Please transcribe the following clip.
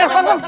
eh pak pak